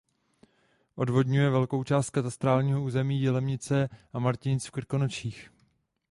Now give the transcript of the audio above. Odvodňuje velkou část katastrálního území Jilemnice a Martinic v Krkonoších.